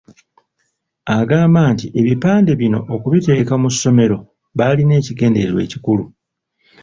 Agamba nti ebipande bino okubiteeka mu ssomero baalina ekigendererwa ekikulu.